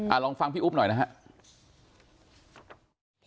อ่า้ลองฟังพี่อุ๊บหน่อยนะฮะ